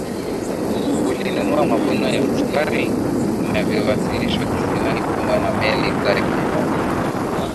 Ulinunua mavuno ya sukari inayozalishwa kisiwani humo na meli zake